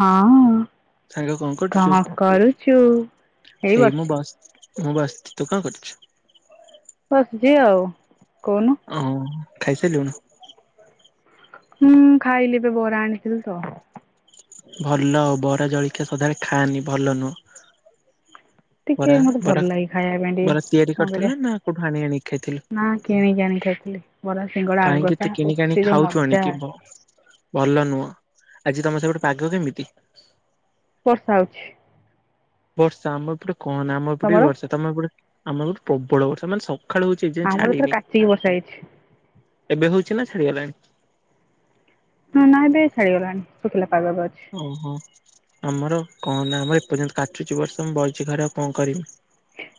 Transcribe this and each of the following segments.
ହଁ ସାଙ୍ଗ କରୁଛୁ? କଣ କରୁଚୁ? ଏଇ ମୁଁ ବସିଛି। ବସ ମୁଁ ବସିଚି। ତୁ କଣ କରୁଚୁ? ବସିଚି ଆଉ। କୋହୁନୁ ଓ ଖାଇସାରିଲୁଣୁ? ହୁଁ ଖାଇଲି ଏବେ ବରା ଆଣିଥିଲି ତ ଭଲ ବରା ଜଳଖିଆ ସଦାବେଳେ ଖାଆନି ଭଲ ନୁହଁ। ଟିକେ ବରା ମତେ ଭଲ ବରା ଲାଗେ ଖାଇବା ପାଇଁ ଟିକେ ବରା ତିଆରି କଣ କରିବା କରିଥିଲୁ ନା କୋଉଠୁ ଆଣି ଆଣି ଖାଇଥିଲୁ? ନା କିଣିକି ଆଣି ଖାଇଥିଲି ବରା ସିଙ୍ଗଡା ଆଳୁ କାହିଁକି କଷା ଏତେ ଓଃ କିଣିକି ସେ ଯୋଉ ଖାଉଚୁ ମଜା ଆଣିକି ବ ଭଲ ନୁହଁ। ଆଜି ତମ ସେପଟେ ପାଗ କେମିତି? ବର୍ଷା ହୋଉଛି। ବର୍ଷା ଆମ ଏପଟ କଣ ନା ଆମ ଏପଟେ ବି ତମର ବର୍ଷା ତମ ଏପଟେ ଆମର ଗଟେ ପ୍ରବଳ ବର୍ଷା ମାନେ ସକାଳୁ ସେ ଏଯାଏଁ ଆମର ଏଥର ଛାଡ଼ିନି, କାଚିକି ବର୍ଷା ହେଇଛି ଏବେ ହୋଉଛି ନା ଛାଡ଼ି ଗଲାଣି। ନାଇଁ ନାଇଁ ଛାଡ଼ିଗଲାଣି ଶୁଖିଲା ପାଗ ଏବେ ଅଛି। ଓହୋ ଆମର କଣ ନା ଆମର ଏପର୍ଯ୍ୟନ୍ତ କାଟୁଛି ବର୍ଷ ମୁଁ ବଇଛି ଘରେ ଆଉ କଣ କରମି।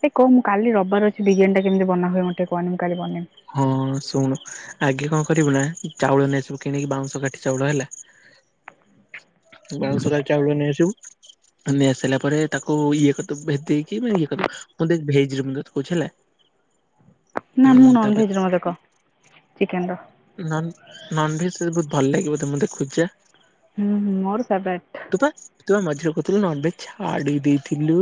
ଏ କହ କାଲି ରବିବାର ଅଛି। ବିରିୟାନୀ କେମିତି ବନା ହୁଏ ମତେ କହନି ମୁଁ କାଲି ବନେଇମି। ହଁ ଶୁଣୁ ଆଗେ କଣ କରିବୁ ନା ଚାଉଳ ନେଇ ଆସିବୁ କିଣିକି ବାଉଁଶ କାଠି ଚାଉଳ ହେଲା ବାଉଶର ଚାଉଳ ନେଇ ଆସିବୁ। ନେଇ ଆସିଲା ପରେ ତାକୁ ଇଏ କରିଦବୁ ଭେଦେଇକି ଇଏ କରିଦବୁ। ମୁଁ [unintelligible] କହୁଛି ହେଲା। ନା ମୁଁ ଉଁ ତାପରେ ନନଭେଜ ର ମତେ କହ ଚିକେନ ର ନ ନନଭେଜ ତତେ ବହୁତ ଭଲ ଲାଗିବ ତ ମୁଁ ଦେଖୁଛେ। ହୁଁଁ ମର ତବାଟ ତୁପ ତୁପ ମଝିରେ କହୁଥିଲୁ ନନଭେଜ ଛାଡିଦେଇଥିଲୁ।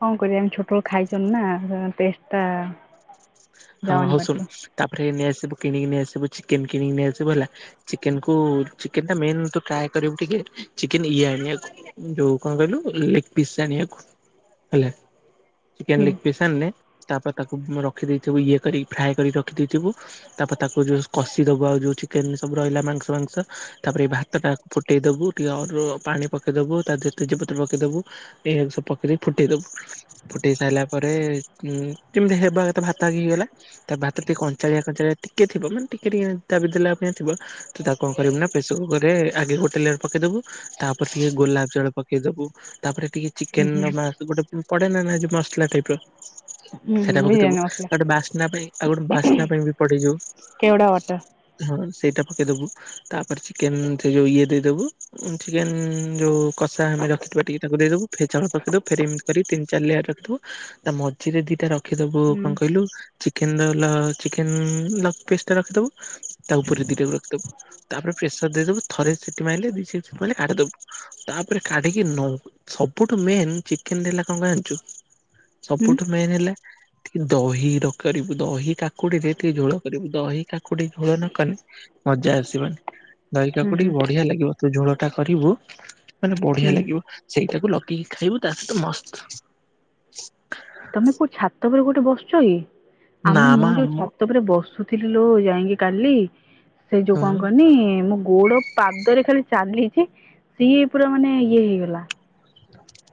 କଣ କରିବ ଆମେ ଛୋଟବେେଳୁ ଖାଇଛନ୍ତି ନା ଟେଷ୍ଟ ଟା ହଁ ଯାଉନି ହଉ ଶୁଣ ପାଟିରୁ। ତାପରେ ନେଇଆସିବୁ କିଣିକି ନେଇ ଆସିବୁ ଚିକେନ କିଣିକି ନେଇଆସିବୁ ହେଲା ଚିକେନ କୁ ଚିକେନ ଟା ମେନ୍ ତ ଟ୍ରାଏ କରିବୁ ଟିକେ ଚିକେନ ଇଏ ଆଣ ହେଲା ଯୋଉ କଣ କହିଲୁ ଲିଗ୍ ପିସ୍ ଆଣିବାକୁ ହେଲା। ଚିକେନ ହୁଁ ଲେଗ ପିସ୍ ଆଣିଲେ ତାପରେ ତାକୁ ରଖିଦଇଥିବୁ ଇଏ କରିକି ଫ୍ରାଏ କରିକି ରଖିଦଇଥିବୁ। ତାପରେ ତାକୁ ଯୋଉ କଷି ଦବ ଆଉ ଯୋଉ ଚିକେନ ସବୁ ରହିଲା ମାଂସ ମାଂସ ତାପରେ ଏଇ ଭାତ ଟା ଫୁଟେଇ ଦବୁ ଟିକେ ଅ ପାଣି ପକେଇଦବୁ ତା ଦେହରେ ତେଜପତ୍ର ପକେଇଦବୁ ଏକୁ ସବୁ ପକେଇି ଫୁଟେଇ ଦବୁ ଫୁଟେଇ ସାରିଲା ପରେ ଉ କେମିତି ହେବା ଭାତ ଆଗ ହେଇଗଲା ତା ଭାତ ଟିକେ କଞ୍ଚାଳିଆ କଞ୍ଚାଳିଆ ଟିକେ ଥିବ ମାନ ଟିକେ ଟିକେ ଦାବି ଦେଲା ପାଇଁ ଥିବ ତ ତାକୁ କଣ କରିବି ନା ପ୍ରେସରକୁକର ରେ ଆଗେ ଲେଗ୍ ପକେଇଦବୁ ତାପରେ ଟିକେ ଗୋଲାପ ଜଳ ପକେଇଦବୁ। ତାପରେ ଟିକେ ହୁଁ ଚିକେନ ହୁଁ ର ମାସ ଗୋଟେ ପଡେ ନା ନା ମସଲା ଟାଇପ ର ହୁଁ ବୁ ବେ ଆ ଗୋଟେ ବାସ୍ନା ପାଇଁ ଆଉ ଗୋଟେ ବାସ୍ନା ପାଇଁ ବି ପଡ଼େଯିବୁ। କେଉଡା ବଟର ହଁ ସେଇଟା ପକେଇଦବୁ ତାପରେ ଚିକେନ ସେ ଯୋଉ ଇଏ ଦେଇଦବା ଚିକେନ ଯୋଉ କଷା ଆମେ ରଖିଥିବା ଟିକେ ତାକୁ ଦେଇଦବୁ ଫେରି ଚାଉଳ ପକେଇଦବ। ଫେର ଏମିତି ତିନି ଚାରି ଲେୟାର ରଖିଥିବୁ। ତା ମଝିରେ ଦିଟା ରଖିଦବୁ ହୁଁ କଣ କହିଲୁ chicken roll chicken leg fish ଟା ରଖିଦବୁ। ତା ଉପରେ ଟିକେ ରଖିଦବୁ ତାପରେ ପ୍ରେସର ଦେଇଦବୁ ଥରେ ସିଟି ମାରିଲେ [unintelligible] କାଢ଼ିଦବୁ। ତାପରେ କାଢିକି ନଉ ସବୁଠୁ ମେନ ଚିକେନର କଣ କଣ ଜାଣିଛୁ। ହୁଁ ସବୁଠୁ ମେନ୍ ହେଲା। ଦହିରେ କରିବୁ ଦହି କାକୁଡିରେ ଟିକେ ଝୋଳ କରିବୁ ଦହି କାକୁଡି ଝୋଳ ନକଲେ। ମଜା ଆସିବନି। ଦହି ହୁଁ କାକୁଡି ହୁଁ ବଢିଆ ଲାଗିବ ଜଉ ଝୋଳ ଟା କରିବୁ। ମାନେ ହୁଁ ବଢିଆ ଲାଗିବ ସେଇଟାକୁ ଲଗେଇକି ଖାଇବୁ ତା ସହିତ ମସ୍ତ। ତମେ କୋଉ ଛାତ ଉପରେ ଗୋଟେ ବସଛ କି। ନା ଆମେ ମା ମୁଁ ଯୋଉ ଆମ ଛାତ ଉପରେ ବସୁ। ଥିଲ ଲୁ ଯାଇକି କାଲି ସେ ଯୋଉ ହଁ କଣ କହନି ମୋ ଗୋଡ। ପାଦରେ ଖାଲି ଚାଲିଛି ସିଏ ପୁରା ମାନେ ଇଏ ହେଇଗଲା।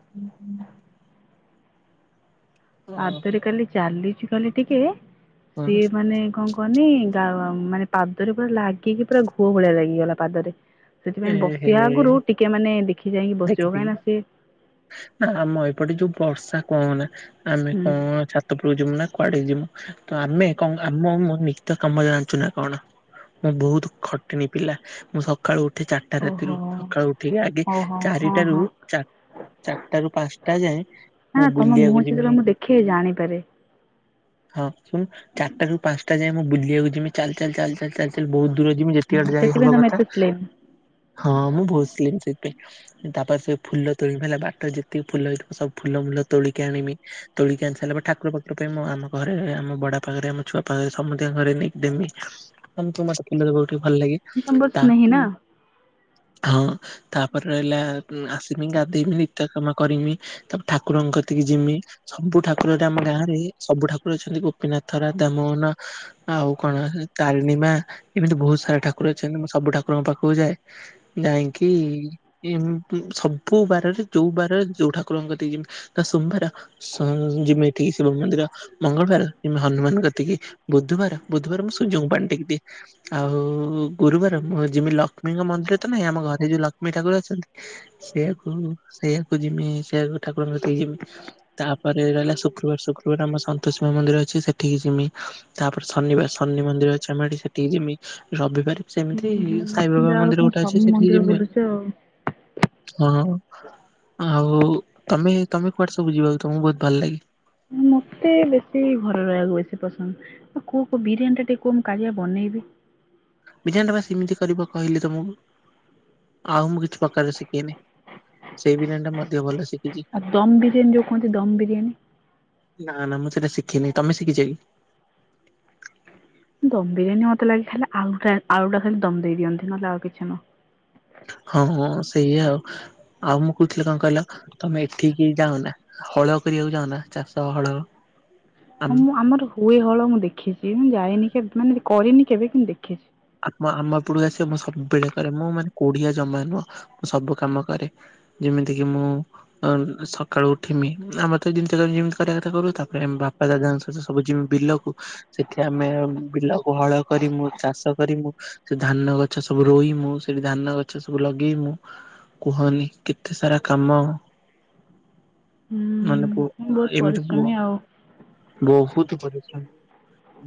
ହୁଁ ହୁଁ। ପାଦରେ ଖାଲି ଚାଲିଚି ଖାଲି ଟିକେ ହଁ ସିଏ ମାନେ କଣ। କହନି ମାନେ ପାଦରେ ପୁରା ଲାଗିକି ପୁରା ଘୁଅ ଭଳିଆ ଲାଗିଗଲା ପାଦରେ। ଏ ସେଥିପାଇଁ ହେ ବସିବା ଆଗରୁ ଟିକେ ମାନେ ଦେଖି ଚାହିଁକି ବସିବ ଦେଖିଥିଲି କାହିଁକିନା ସିଏ। ନା ଆମ ଏପଟେ ଯୋଉ ବର୍ଷା କହନା ଆମେ ହୁଁ କଣ ଛାତ। ଛାତ ଯିବୁ ନା କୁଆଡେ ଯିବୁ ତ ଆମେ ନିିତ କାମ ଜାଣିଛୁ ନା କଣ। ମୁଁ ବହୁତ ଖଟିଣୀ ପିଲା ମୁଁ ସକାଳୁ ଉଠ। ଚାରିଟା ରାତିରୁ ଓହୋ ସକାଳୁ ଉଠିକି ଆଗେ ଓହୋ ହଁ ଚାରିଟାରୁ। ହଁ ଚାରିଟା ରୁ ପାଞ୍ଚଟା ଯାଏଁ ମୁଁ ବୁଲିବାକୁ ଯିବି। କି ଜାଣିପାରେ। ହଁ ଶୁଣୁ ଚାରିଟାରୁୁ ପାଞ୍ଚଟା ଯାଏ ମୁଁ ବୁଲିିବାକୁ ଯେ ଚାଲ ଚାଲ ଚାଲ ଚାଲ। ବହୁତ ଦୂରରେ ଯିବି ହୁଁ, ଯେତିକି ବାଟ ଯାଇ ସେଥିପାଇଁ ହବ ତମେ କଥା ଏତେ ସ୍ଲିମ୍ ହଁ ମୁଁ ବସିଥିଲିମି ସେଥିପାଇଁ। ତାପରେ ସେ ଫୁଲ ତୋଳିବି ହେଲା। ବାଟରେ ଯେତିକି ଫୁଲ ହେଇଥିବ ସବୁ ଫୁଲ ଫୁଲ ତୋଳିକି ଆଣିବି। ତୋଳ କି ଆଣିସରିଲା ପରେ ଠାକୁର ପାଖରେ ଆମ ଘରେ, ଆମ ବଡବାପାଘରେ, ଆମ ଛୁଆବାପା ପାଖରେ ସମସ୍ତଙ୍କ ଘରେ ନେଇକି ଦେମି। ମତେ କୁମାରପୂର୍ଣ୍ଣିମାରେ ବହୁତ ଭଲ ଲାଗେ। ତମେ ବହୁତ ସ୍ନେହି ତା ନାଁ। ହଁ ତାପରେ ରହିଲା ଆସିମି ଗାଧେଇମି ନିତ୍ୟ କାମ କରିମି। ତାପରେ ଠାକୁରଙ୍କକତିକି ଜିମି। ସବୁ ଠାକୁର ଏଠି ଆମ ଗାଁ ରେ ସବୁ ଠାକୁର ଅଛନ୍ତି। ଗୋପୀନାଥ, ରାଧାମୋହନ। ଆଉ କଣ ତାରିଣୀମା ଏମିତି ବହୁତ ସାରା ଠାକୁର ଅଛନ୍ତି ମୁଁ ସବୁ ଠାକୁରଙ୍କ ପାଖକୁ। କୁଯାଏ ଯାଇକି। ସବୁ ବାରରେ ଯୋଉ ବାରରେ ଯୋଉ ଠାକୁରଙ୍କ ଯିବି। ସୋମବାର ଯିମି କି ଏଠି ଶିବ ମନ୍ଦିର ମଙ୍ଗଳବାର ଯିମି ହନୁମାନ କତିକି। ବୁଧବାର। ବୁଧବାର ମୁଁ ସୂର୍ଯ୍ୟଙ୍କୁ ପାଣି ଟେକି ଦିଏ ଆଉ ଗୁରୁବାର ଯିବି ଲଷ୍ମୀ। ଲକ୍ଷ୍ମୀଙ୍କ ମନ୍ଦିରେ ତ ନାହିଁ ଆମ ଘରେ ଯୋଉ ଲକ୍ଷ୍ମୀ ଠାକୁର ଅଛନ୍ତି। ସେଆକୁ ସେଇଆକୁ ଯିମି ସେଆକୁ ଠାକୁରଙ୍କ କତିକି ଯିମି। ତାପରେ ରହିଲା ଶୁକ୍ରବାର ଶୁକ୍ରବାର ଆମର ସନ୍ତୋଷି ମା ମନ୍ଦିର ଅଛି ସେଠିକି ଯିମି। ତାପରେ ଶନିବାର ଶନି ମନ୍ଦିର ଅଛି ଆମର ସେଠିକି ଯେମିତି ରବିବାର ହୁଁ ସେମିତି। ହୁଁ ଯାହା ହଉ ମନ୍ଦିର ତମେ ଗୋଟେ ଅଛି ସବୁ ସେଠିକି ମନ୍ଦିର ଯମିନି ବୁଲୁଛ ଆଉ ଆଉ ହଁ। ଆଉ ତମେ ତମେ କୁଆଡେ ସବୁ ଯିବ ତମକୁ ବହୁତ ଭଲ ଲାଗେ। ମତେ ବେଶୀ ଘରେ ରହିବାକୁ ବେଶୀ ପସନ୍ଦ। କୋଉ କୋଉ ବିରିୟାନୀ ଟିକେ କୁହ ମୁଁ କାଲି ପା ବନେଇଵି। ବିରିୟାନୀ ଟା ପା ସେମିତି କରିବ କହିଲି ତମକୁ ଆଉ ମୁଁ କିଛି ପ୍ରକାର ଶିଖନି। ଶିଖିନି। ସେଇ ବିରିୟାନୀ ଟା ମୁଁ ଅଧିକ ଭଲ ଶିଖିଛି। ଆଉ ଦମ ବିରିୟାନୀ ଯୋଉ କୁହନ୍ତି ଦମ ବିରିୟାନୀ ନା ନା ମୁଁ ସେଟା ଶିଖିନିଁ ତମେ ଶିଖିଛ କି। ଦମ ବିରିୟାନୀ ମତେ ଲାଗେ ଖାଲି ଆଳୁଟ ଆଳୁା ଖାଲି ଦମ ଦେଇଦିଅନ୍ତି ନହଲେ ଆଉକିଛି ନୁହଁ। ହଁହଁ ସେଇଆ ଆଉ। ଆଉ ମୁଁ କହୁଥିଲି କଣ କହିଲ ତମେ ଏଠିକି ଯାଉନା। ହଳ କରିବାକୁ ଚାଉନା ଚାଷ ହଳ। ଆମ ହଁ ମୁଁ ଆମର ହୁଏ ହଳ ମୁଁ ଦେଖେ ଏ ମୁଁ ଯାଏନି କେ ମାନେ କରେନି କେବେ କିନ୍ତୁ ଦେଖେ। ଆ ଆମ ପୁଡୁ ଆସିବ ମୁଁ ସବୁବେଳେ କରେ ମୁଁ ମାନେ କୋଡିିଆ ଜମା ନୁହଁ ମୁଁ ସବୁ କାମ କରେ। ଯେମିତିକି ମୁଁ ସକାଳୁ ଉଠମି ଆମର ତ ଯେମିତି ଯେମିତି କରିବା କଥା କରୁ ତାପରେ ଆମ ବାପା ଦାଦାଙ୍କ ସବୁ ଯିମୁ ବିଲକୁ ସେଠି ଆମେ ବିଲକୁ ହଳ କରି ମୁଁ ଚାଷ କରିମୁ ସେ ଧାନ ଗଛ ସବୁ ରୋଇମୁ ସେଠି ଧାନ ଗଛ ସବୁ ଲଗେଇମୁ। କୁହନି କେତେ ସାରା କାମ। ହୁଁ। ପୁଅ ବହୁତ ଏମିତି ପୁଅ। ପରିଶ୍ରମୀ ଆଉ ବହୁତ ପରିଶ୍ରମ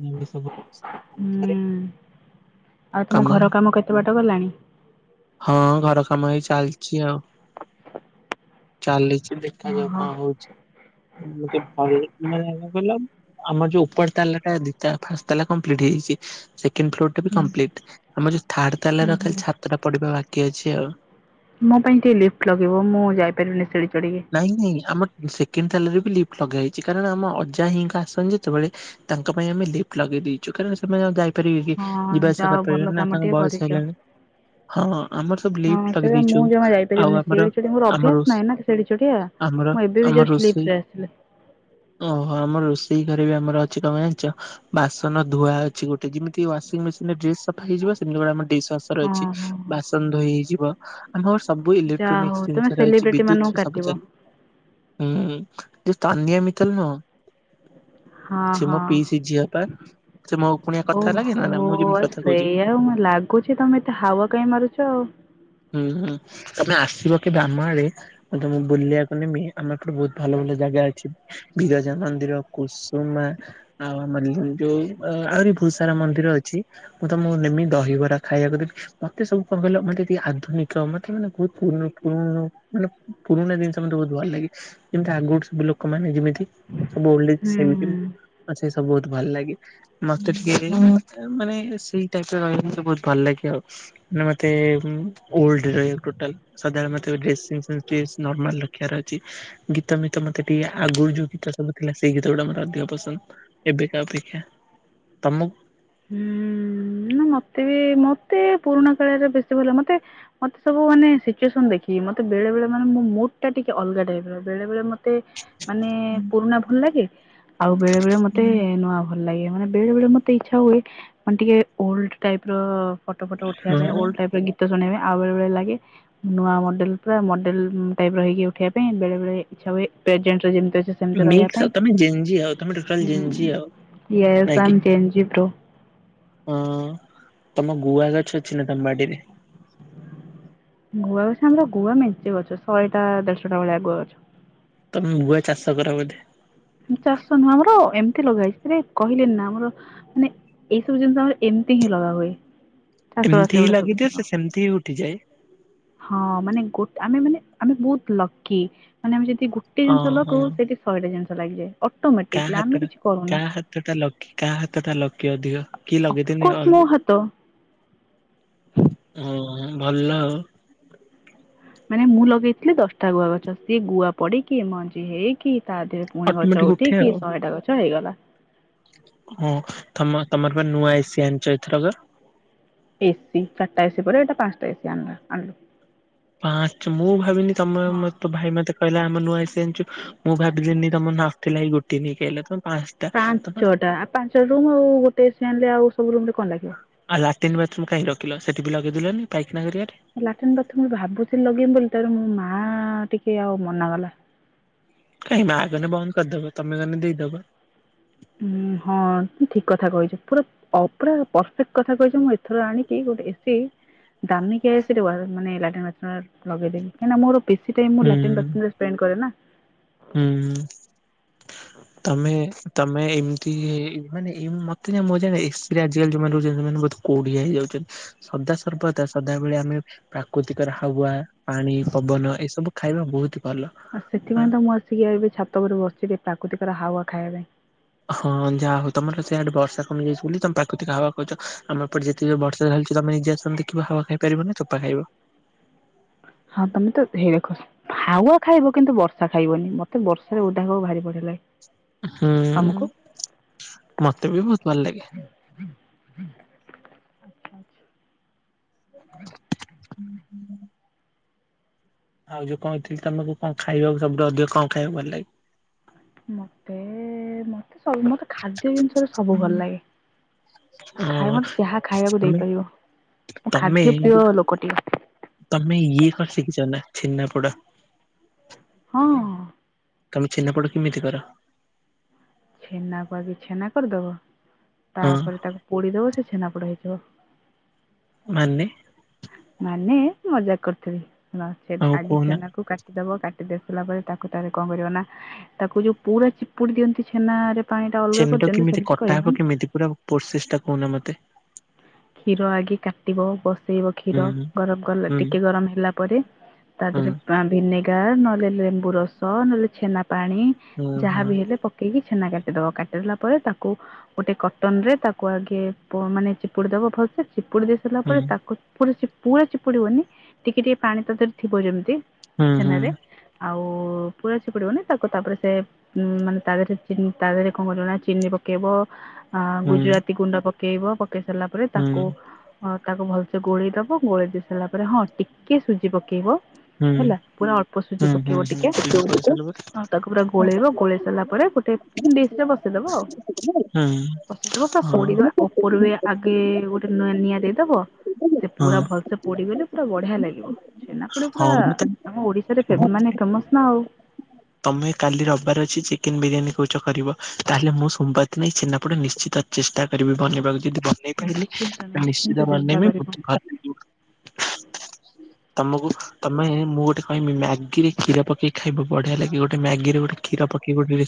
ମୋର ସବ୍ ହୁଁ ଆଉ ତମ ଘର କାମ କେତେ ବାଟ ଗଲାଣି? ହଁ ଘର କାମ ହେଇ ଚାଲିଛି ଆଉ ଚାଲିଛି ଦେଖ ଦେଖାଯାଉ ଓହୋ କଣ ହଉଛି ଗୋଟେ ଫଳ ଅଛି କଣ କହିଲ। ଆମର ଯୋଉ ଉପର ତାଲା ଟା ଦି ତା ଫାଷ୍ଟ ତାଲା କଂପ୍ଲିଟ୍ ହେଇଯାଇଛି ସେଣ୍ଡ ଫ୍ଲୋର ଟା ବି ହୁଁ କଂପ୍ଲିଟ୍। ଆମର ଯୋଉ ଥାର୍ଡ ତାଲ ହୁଁ ର ଖାଲି ହୁଁ। ଛାତ ଟା ପଢିବା ବାକି ଅଛି ଆଉ। ମୋ ପାଇଁ ଟିକେ ଲିଫ୍ଟ ଲଗାଇବ ମୁଁ ଯାଇପାରିବିନି ସିଢି ଚଢ଼ିକି। ନାଇଁ ନାଇଁ ଆମ ସେକେଣ୍ଡ ତାଲରେ ବି ଲିଫ୍ଟ ଲଗା ହୋଇଛି କାରଣ ଆମ ଅଜା ହିଁଙ୍କା ଆସନ ଯେତେବେଳେ ତାଙ୍କ ପାଇଁ ଆମେ ଲିଫ୍ଟ ଲଗେଇ ଦେଇଛୁ କାରହିଁନା ସେମାନେ ଆଉ ଯାଇପାରିବେ କି? ହଁ ଜିବା ଆସିବା ଯାଅ ଭଲ କରିପାରିବେନି ନା କାମ ତାଙ୍କ ଟିକେ ବୟସ କରିଛ। ହେଲାଣି। ହଁ ଆମର ସବୁ ଲିଫ୍ଟ ହଁ ସେଇଟା ମୁଁ ଲାଗିଦେଇଛୁ ଜମା ଆଉ ଯାଇପାରିବିନି ଆମର ସିଡି ଚଢି ମୋର ଆମ ଅଭ୍ୟାସ ରୋ ସ ନାହିଁ ନା ସିଡି ଚଢିଆ। ଆମର ମୁଁ ଏବେ ବି ଆମ ଜଷ୍ଟ ରୋଷେଇ ଲିଫ୍ଟରେ ଆସିଲି। ଓହୋ ଆମର ରୋଷେଇ ଘରେ ବି ଆମର ଅଛି ତମେ ଜାଣିଛ? ବାସନ ଧୁଆ ଅଛି ଗୋଟେ ଯେମିତି ୱାସିଂ ମେସିନ ଡେ ସଫା ହେଇଯ ସେମତିଡ ଆମ ଡି ର ଅଛି ହଁ ହଁ ବାସନ ଧୋଇ ହେଇଯିବ ଆମର ସବୁ ଯାହା ହଉ ଇଲେକ୍ଟ୍ରୋନିକ୍ସ ତମେ ଜିନିଷ ର ଅଛି ସେଲିବ୍ରିଟି ବିଦ୍ୟୁତ ମାନଙ୍କୁ ରେ ସବୁ କାଟିବ ଚାଲେ। ହୁଁ ଯୋଉ ତାନିଆ ମିତଲ ନୁହଁ ହଁ ସେ ମୋ ପିଇସି ହଁ ଝିଅ ପା ସେ ମୋ କୁଣିଆ କଥା ଲାଗେ ନା ନା ଓହୋ ମୁଁ ଯେମିତି କଥା ଆଚ୍ଛା କହୁଛି। ଏଇୟା ଆଉ ମତେ ଲାଗ୍ କହୁଛି ତମେ ଏତେ ହାୱ କାଇହିଁ ମାରୁଛ ଆଉ। ହୁଁ ହୁଁ ତମେ ଆସିବ କି ଦାମ ଆଡେ ମ ତେ ମୁକୁ ବୁଲିବାକୁ ନେବି। ଆମ ଏପରେ ବହୁତ ଭଲ ଭଲ ଜାଗା ଅଛି ବିରଜା ମନ୍ଦିର, କୁସୁମା। ଆଉ ଆମର ଯୋଉ ଆହୁରି ବହୁତ ସାରା ମନ୍ଦିର ଅଛି। ମୁଁ ତ ମୁଁ ନେମି ଦହିବରା ଖାଇବାକୁ ଦେବି ମତେ ସବୁ ପଲେ ମତେ ଆଧୁନିକ ମତେ ମାନେ ବହୁତ ପୁରୁ ପୁରୁ ମାନେ ପୁରୁଣା ଜିନିଷ ମତେ ବହୁତ ଭଲ ଲାଗେ। ଯେମିତି ଆଗ ସବୁ ଲୋକମାନେ [unintelligible] ଯେମିତି ସବୁ ଓ ସେମିତି ହୁଁ ଆଚ୍ଛା ମତେ ବୋହୁତ ଭଲ ଲାଗେ। ମତେ ଟିକେ ମାନେ ସେଇ ଟାଇପରେ ରହିବେ ମତେ ବହୁତ ଭଲ ଲାଗେ ଆଉ। ନା ମତେ ଓଲଡୋ ରେ ରହିବାକୁ ଟୋଟାଲ [unintelligible] ଡ୍ରେସିଂ ସେନ୍ସ ଟିକେ ନର୍ମାଲ ରଖିବାର ଅଛି। ଗୀତମ ତ ମତେ ଟିକେ ଆଗରୁ ଯୋଉ ଗୀତ ସବୁଥିଲା ସେଇ ଗୀତ ଗୁଡା ମୋର ଅଧିକ ପସନ୍ଦ। ଏବେ କା ଅପେକ୍ଷା ତମକୁ ହୁଁ ନା ମତେ ବି ମତେ ପୁରୁଣା କାଳରେ ବେଶୀ ଭଲ ମତେ ମତେ ସବୁାନେ ସିଚୁସନ ଦେଖି ମେଳେ ମାନେ ମୋ ମୁଡ୍ ଟିକେ ଅଲଗା ଟାଇପ ବେଳେ ବେଳେ ମତେ ମତେ ମାନେ ପୁରୁଣା ଭଲ ଲାଗେ ଆଉ ବେଳେ ବେଳେ ମତେ ନୂଆ ଭଲ ଲାଗେ ମାନେ ବେଳେ ବେଳେ ମତେ ଇଚ୍ଛା ହୁଏ ମାନେ ଟିକେ ଓଲଡ ଟାଇପ ର ଫଟୋ ଫଟୋ ଉଠେଇବା ପାଇଁ ଓଲଡ ହଁ ଟାଇପିର ଗୀତ ଶୁଣେଇବେ ଆଉ ବେଳେ ବେଳେ ଲାଗେ। ନୂଆ ମଡେଲ ପୁରା ମଡେଲ ଟାଇପ୍ ର ହେଇକି ଉଠିବା ପାଇଁ ବେଳେ ବେଳେ ଇଚ୍ଛା ହୁଏ ପ୍ରେଜେଣ୍ଟ ଯେମିତି। ସେମତି ରହିବା ମିକ୍ସ ପାଇଁ ଆଉ ତମେ ଜେଞ୍ଜି ଆଉ ତମେ ଟୋଟାଲ ଜେଞ୍ଜି ଆଉ ହୁଁ ଇଏ ନାଇଁ କି? ତାଙ୍କେ। ତୋ। ହଁ ତମ ଗୁଆ ଗଛ ଅଛି ନା ତମ ବାଡିରେ। ଗୁଆ ଗଛ ଆମର ଗୁଆ ମେଞ୍ଚେ ଗଛ ଶହେଟା ଦେଢଶହ ଟା ଭଳିଆ ଗୁଆ ଗଛ। ତମ ଗୁଆ ଚାଷ କର ବୋଧେ। ଚାଷ ନୁହଁ ଆମର ଏମିତି ଲଗା ହେଇ ହେତିରେ କହିଲେ ନା ଆମର। ମାନେ ଏଇସବୁ ଜିନିଷ ଆମର ଏମତି ହିଁ ଲଗାହୁଏ। ଏମିତି ହିଁ ଲାଗିଦିଅ ସେମିତି ହିଁ ଉଠିଯାଏ। ହଁ ମାନେ ଗୋ ଆମେ ମାନେ ଆମେ ବହୁତ ଲକି ମାନେ ଆମେ ଯଦି ଗୋଟେ ଜିନିଷ ଓହୋ ଲଗଉ ସେଟି। ଶହୋ ଟା ଜିନିଷ ଲାଗିଯାଏ ଅଟୋମେଟିକ କାହା ଆମେ ହାତଟା କିଛି କ କାହା ହାତ ଟା ଲକି କାହା ହାତ ଟା ଲକି ଅଧିକ କି ଲଗେଇଥିନି ଅଫକୋର୍ସ ଅ ମୋ ହାତ ହଁ ଭଲ ଆଉ। ମାନେ ମୁଁ ଲଗେଇଥିଲି ଦଶଟା ଗୁଆ ଗଛ ସିଏ ଗୁଆ ପଡିକି ମଞ୍ଜି ହେଇକି। ତା ଦେହରେ ପୁଣି ଗଛ ଅଟୋମେଟିକ ଉଠେ ଉଠିକି ଆଉ। ଶହେଟା ଗଛ ହେଇଗଲା। ହଁ ତମ ତମର ପା ନୂଆ ଏସି ଆଣିଚ ଏଥରକ। ଏସିି ଚରିଟା ଏସି ପରେ ଏଟା ପାଞ୍ଚଟା ଏସି ଆଣିଲ ଆଣିଲୁ। ପାଞ୍ଚ ମୁଁ ଭାବିନି ତମ ହଁ। ମତ ଭାଇ ମତେ କହିଲା ଆମେ ନୂଆ ଏସି। ଯାଣିଚୁ ମୁଁ ଭାବିଲିନି ତମ ନାଥିଲା ଏଇ ଗୋଟି ନେଇକି ଆଇଲ ତ। ପାଞ୍ଚଟା ପାଞ୍ଚ ରୁମ୍ ଆଉ ଗୋଟେ ଏସି ଆଣିଲେ ଆଉ ସବୁ ରୁମ ରେ କଣ ଲାଗିବ। ଆ ଲାଟିନ୍ ବାଥରୁମ୍ କାଇଁ ରଖିଲ ସେଠିବି ଲଗେଇ ଦେଲନି ପାଇଖିନା ଯରିଆରେ। ଲାଟିନ୍ ବାଥରୁମ ଭାବୁଥିଲି ଲଗେଇମି ବୋଲି ତାରେ ମୋ ମା ଟିକେ ଆଉ ମନା କଲା। କାହିଁ ମା ଗଲେ ବନ୍ଦ କରିଦବ ତମେ ଗଲେ ଦେଇଦବ। ଉଁ ହଁ ଠି ଠିକ କଥା କହିଚ ପୁରା। ଅ ପୁରା ପରେଫେକ୍ଟ କଥା କହିଚ ମୁଁ ଏଥର ଆଣିକି ଗୋଟେ ଏସି। ଦାମୀକିଆ ଏସିଟେ ୱ ମାନେ ଲାଟିନ୍ ବାଥରୁମ ଲଗେଇେବି କାଇଁନା ମୋର ବେଶୀ ଟାଇମ ମୋ ହୁଁ ଲାଟିନ ବାଥରୁମ ରେ। ପେନ କରେନା। ହୁଁ ତମେ ତମେ ଏମିତି। ମାନେ ଏ ମତେ ଯେ ମଜା ଏକ୍ସପ୍ରିଆ ରହୁଛନ୍ତି ସେମାନେ ବହୁତ କୋଡିିଆ ହେଇଯାଉଛନ୍ତି। ସଦା ସର୍ବଦା ସଦାବେଳେ ଆମେ। ପ୍ରାକୃତିକର ହାୱଆ ପାଣି ପବନ ଏସବୁ ଖାଇବା ବହୁତୁ। ଆଉ ସେଥିପାଇଁ ତ ମୁଁ ଆସିକି ଏବେ ଛାତ ଉପରେ ବସିଛିି ପ୍ରାକୃତିକର ହାୱା ଖାଇବା ପାଇଁ। ହଁ ଯାହା ହଉ ତମର ସେଇଆଡେ ବର୍ଷା କମିଯାଇଛି ବୋଲି ତମ ପ୍ରାକୃତିକ ହାୱ କହୁଚ ଆମର ଏପଟେ ଯେ। ଟକେ ବର୍ଷା ଢାଲିଛି ତମେ ନିଜେ ଆସନି ଦେଖିବା ହାୱ ଖାଇପାରିବ ନି ତୋପା ଖାଇବ। ହଁ ତମେ ତ ହେ କର। ହାୱଆ ଖାଇବ କିନ୍ତୁ ବର୍ଷା ଖାଇବନି ମତେ ବର୍ଷାରେ ଓଦା ହେବାକୁ ଭାରି ବଢିଆ ଲାଗେ। ହୁଁ ତମକୁ? ମତେ ବି ବହୁତୁ ଭଲ ଲାଗେ। ଆଚ୍ଛା। ହଁ ଆଉ ଯୋଉ କହିଥିଲି ତମକୁ କଣ ଖାଇବାକୁ ଶଧ ଅଧିକ କମ ଖାଇବା ଭଲ ଲାଗେ। ମତେ ମତେ ସମତ ଖାଦ୍ୟ ଜିନିଷରେ ସବୁ ଭଲ ଲାଗେ। ଖାଇ ହଁ ମତେ ଯାହା ଖାଇବାକୁ ତମେ ଦେଇପାରିବ ମୁଁ ତମେ ଖାଦ୍ୟ ପ୍ରିୟ ଲୋକଟି। ତମେ ଇଏ କଣ ଶିକିଛନା ଛେନା ପୋଡ। ହଁ। ତମେ ଛେନା ପୋଡ଼ କେମିତି କର? ଛେନାକୁ ଆଗେ ଛେନା କରିଦବ, ହଁ ତାପରେ ତାକୁ ପୋଡ଼ିଦବ ସେ ଛେନା ପୋଡ଼ା ହେଇଯିବ। ମାନେ ମାନେ ମଜାକ୍ କରୁଥିଲି, ଆଉ ଆଗେ କହୁନା ଛେନାକୁ କାଟି କାଟି ଦବ କାଟି ଦେଇ ସାରିଲା ପରେ ତାକୁ ତାରେ କଣ କରିବ ନା ତାକୁ ଯୋଉ ପୁରା ଚିପୁଡି ଦିଅନ୍ତି ଛେନରେ ପାଣି ଟା ଅଲଗା ଛେନାଟା କରିଦିଅନ୍ତି କେମିତି ସେମ୍ତି କଟା ହବ କରିବନି। କେମିତି ପୁରା ପ୍ରୋସେସ୍ ଟା କହୁନା ମତେ। କ୍ଷୀର ଆଗେ କାଟିବ, ବ ସେଇବ କ୍ଷୀର ହୁଁ ଗରମ୍ କଲା ହୁଁ ଟିକେ ଗରମ୍ ହେଲା ପରେ ତା ହୁଁ ଧେରେ ଭିନେଗାର୍ ନହେଲେ ଲେମ୍ବୁ ରସ ନହେଲେ ଛେନା ପାଣି ହୁଁ ଯାହାବି ହୁଁ ହେଲେ ପ କେଇକି ଛେନା କାଟିଦବ, କାଟିଦେଲା ପରେ ତାକୁ ଗୋଟେ କଟନ୍ ରେ ତାକୁ ଆଗେ ପ ମାନେ ଚି ପୁଡ଼ି ଦେବ ଭଲସେ, ଚିପୁଡ଼ି ଦେଇ ସାରିଲା ପରେ ତାକୁ ପୁରା-ପୁରା ଚିପୁଡିବନି, ଟିକେ-ଟିକେ ପାଣି ତାଦେରେ ଥିବ ଯେମ୍ତି ହୁଁ ହୁଁ ଛେନାରେ। ଆଉ ପୁରା ଚିପୁଡିବନି, ତାକୁ ତାପରେ ସେ ଉଁ ମାନେ ତା ଧେରେ ଚି ତା ଧେରେ କଣ କରିବ ନା ଚିନି ପକେଇବ ଆ ହୁଁ ହୁଁ ଗୁଜୁରାତି ଗୁଣ୍ଡ ପକେଇବ, ପକେଇ ସାରିଲା ପରେ ତାକୁ ହୁଁ ହଁ ତାକୁ ଭଲସେ ଗୋଳେଇ ଦବ, ଗୋଳେଇ ଦେଇ ସାରିଲା ପରେ ହଁ ଟିକେ ସୁଜି ପକେଇବ ହୁଁ ହେଲା ପୁରା ଅଳ୍ପ ସୁଜି ହୁଁ ହୁଁ ପକେଇବ ହୁଁ ଟିକେ, ଠିକ କହିଥିଲୁ ବା ଆଉ ତାକୁ ପୁରା ଗୋଳେଇବ ଗୋଳେଇ ସାରିଲା ପରେ ଗୋଟେ ଡିସ୍ରେ ବସେଇଦବ ଆଉ, ହୁଁ ବସେଇଦବ ପୁରା ହଁ ପୋଡିଦବ ଓପର ବି ଆ ଗେ ଗୋଟେ ନ ନିଆଁ ଦେଇଦବ, ସେ ହଁ ପୁରା ଭଲସେ ପୋଡିଗଲେ ପୁରା ବଢିଆ ଲାଗିବ। ଛେନାପୋଡ଼ ହଁ ପୁରା ମୁଁ ତ ଆମ ଓଡ଼ିଶାରେ ମୁଁ ମାନେ ଫେମସ୍ ନା ଆଉ। ତମେ କାଲି ରବିବାର ଅଛି ଚିକେନ ବିରିୟାନୀ କହୁଚ କରିବ, ତାହେଲେ ମୁଁ ସୋମବାର ଦିନ ଏଇ ଛେନାପୋଡ଼ ନିଶ୍ଚିତ ଚେଷ୍ଟା କରିବି ବନେଇବାକୁ, ଯଦି ବନେଇ ପାରିଲି ନିଶ୍ଚିନ୍ତ ନିଶ୍ଚିନ୍ତ ନିଶ୍ଚିତ ଚେଷ୍ଟା ବନେଇବି କରିବ [unintelligible] ତମକୁ ତମେ ମୁଁ ଗୋଟେ କହିବି ମ୍ୟାଗିରେ କ୍ଷୀର ପକେଇ ଖାଇବ ବଢିଆ ଲାଗେ ଗୋଟେ ମ୍ୟାଗିରେ ଗୋଟେ ଖୀର ପକେଇକି ଗୋଟେ ରେ